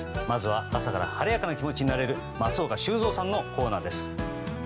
まずは朝から晴れやかな気持ちになれる松岡修造さんのコーナーです。